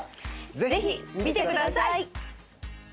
ぜひ見てください！